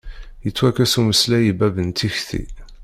Yettwakkes umeslay i bab n tikti.